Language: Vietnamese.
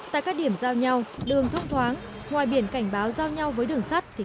tại các điểm giao nhau đường thông thoáng ngoài biển cảnh báo giao nhau với đường sắt